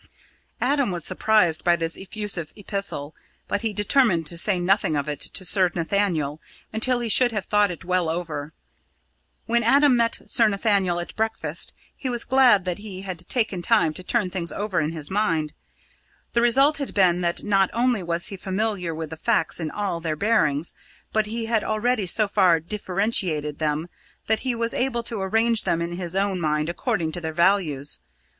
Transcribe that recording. Adam was surprised by this effusive epistle, but he determined to say nothing of it to Sir Nathaniel until he should have thought it well over. When Adam met Sir Nathaniel at breakfast, he was glad that he had taken time to turn things over in his mind. The result had been that not only was he familiar with the facts in all their bearings, but he had already so far differentiated them that he was able to arrange them in his own mind according to their values.